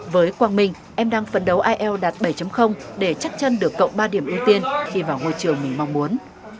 với quang minh em đang phấn đấu ielts đạt bảy để chắc chân được cộng ba điểm ưu tiên khi vào ngôi trường mình mong muốn